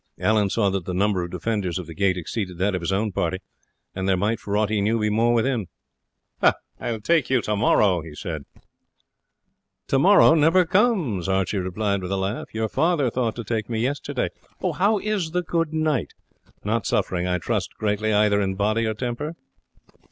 Allan saw that the number of the defenders of the gate exceeded that of his own party, and there might, for aught he knew, be more within. "I will take you tomorrow," he said. "Tomorrow never comes," Archie replied with a laugh. "Your father thought to take me yesterday. How is the good knight? Not suffering, I trust, greatly either in body or temper?"